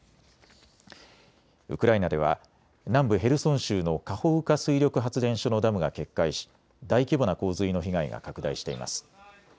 ウクライナでは南部ヘルソン州のカホウカ水力発電所のダムが決壊し大規模な洪水の被害が拡大しています。